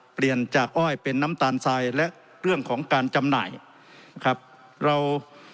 เปลี่ยนจากอ้อยเป็นน้ำตาลทรายและเรื่องของการจำหน่ายครับเรา